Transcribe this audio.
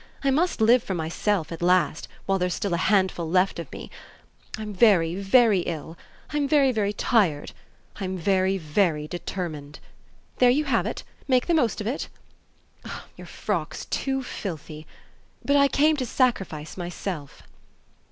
I must live for myself at last, while there's still a handful left of me. I'm very, very ill; I'm very, very tired; I'm very, very determined. There you have it. Make the most of it. Your frock's too filthy; but I came to sacrifice myself."